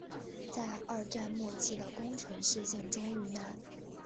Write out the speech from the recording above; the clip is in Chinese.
在二战末期的宫城事件中遇难。